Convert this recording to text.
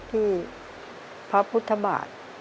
คุณยายแจ้วเลือกตอบจังหวัดนครราชสีมานะครับ